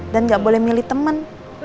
dan gak boleh milih temen